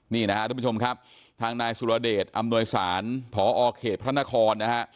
นี่นะครับทุกผู้ชมครับทางนายสุรเดชอำนวยสารพอเขตพระนครนะฮะ